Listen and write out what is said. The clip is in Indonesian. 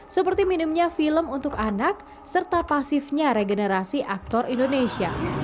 seperti minimnya film untuk anak serta pasifnya regenerasi aktor indonesia